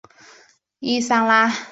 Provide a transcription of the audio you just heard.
伊桑拉。